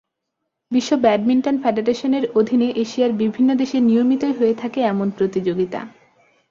বিশ্ব ব্যাডমিন্টন ফেডারেশনের অধীনে এশিয়ার বিভিন্ন দেশে নিয়মিতই হয়ে থাকে এমন প্রতিযোগিতা।